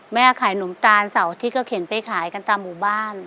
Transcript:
แม่ขายนมตาลเสาร์อาทิตย์ก็เข็นไปขายกันตามหมู่บ้าน